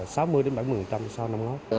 sáu mươi bảy mươi so với năm ngối